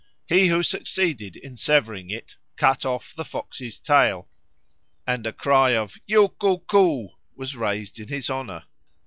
He who succeeded in severing it "cut off the fox's tail," and a cry of "You cou cou!" was raised in his honour.